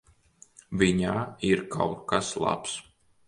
Viņā ir kaut kas labs.